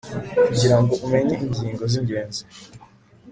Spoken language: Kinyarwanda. kugira ngo umenye ingingo z'ingenzi